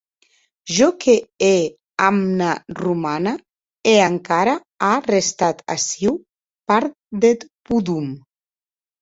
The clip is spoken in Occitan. Jo qu’è amna romana, e encara a restat aciu part deth podom.